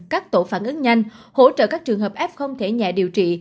các tổ phản ứng nhanh hỗ trợ các trường hợp f thể nhẹ điều trị